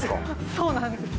そうなんです。